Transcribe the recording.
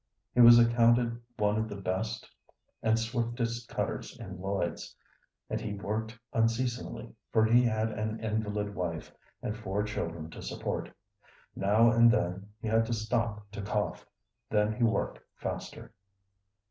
He was accounted one of the best and swiftest cutters in Lloyd's, and he worked unceasingly, for he had an invalid wife and four children to support. Now and then he had to stop to cough, then he worked faster.